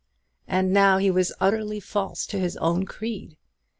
And now he was utterly false to his own creed.